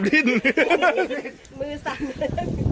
ได้ยังไม่ชอบ